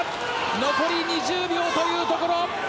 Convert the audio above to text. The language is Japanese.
残り２０秒というところ。